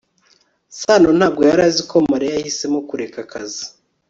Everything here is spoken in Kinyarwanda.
sano ntabwo yari azi ko mariya yahisemo kureka akazi